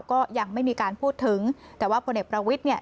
ก็ยังไม่มีการพูดถึงแต่ว่าพลเอกประวิทย์เนี่ย